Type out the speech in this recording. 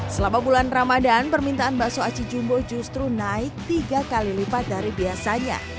selama bulan ramadan permintaan bakso aci jumbo justru naik tiga kali lipat dari biasanya